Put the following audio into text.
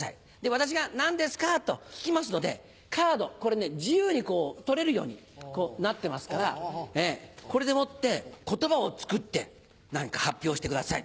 私が「何ですか？」と聞きますのでカードこれね自由に取れるようになってますからこれでもって言葉を作って何か発表してください。